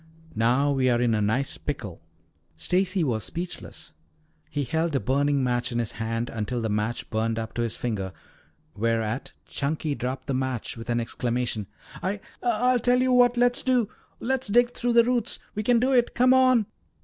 Now we are in a nice pickle." Stacy was speechless. He held a burning match in his hand until the match burned up to his finger, whereat Chunky dropped the match with an exclamation. "I I'll tell you what let's do. Let's dig through the roots. We can do it. Come on."